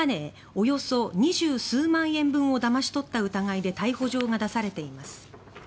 およそ２０数万円分をだまし取った疑いで逮捕状が出されています。